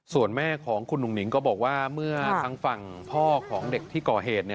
ส่วนแม่ของคุณหนุ่งหนิงก็บอกว่าเมื่อทางฝั่งพ่อของเด็กที่ก่อเหตุ